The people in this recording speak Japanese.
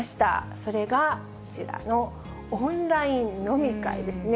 それがこちらのオンライン飲み会ですね。